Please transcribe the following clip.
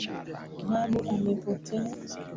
Babu amepotea